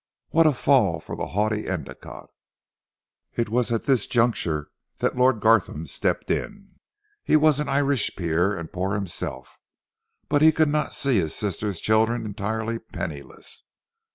"What a fall for the haughty Endicotte." It was at this juncture that Lord Gartham stepped in. He was an Irish peer, and poor himself, but he could not see his sister's children entirely penniless.